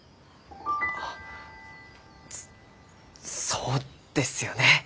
そそうですよね。